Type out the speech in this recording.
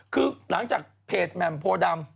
คือหลังจากเพจแหม่มโพดำ